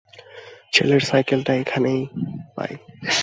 ছেলের সাইকেলটা এখানে পায়।